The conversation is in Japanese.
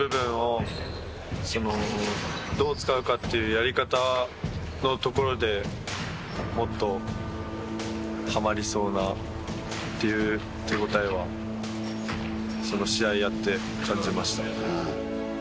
っていうやり方のところでもっとハマりそうなっていう手応えはその試合やって感じました。